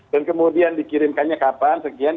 dan kemudian dikirimkannya kapan sekian